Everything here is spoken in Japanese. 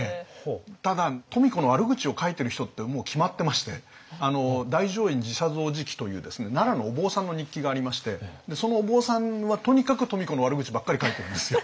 ただ富子の悪口を書いてる人ってもう決まってまして「大乗院寺社雑事記」というですね奈良のお坊さんの日記がありましてそのお坊さんはとにかく富子の悪口ばっかり書いてるんですよ。